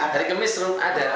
dari kemis ada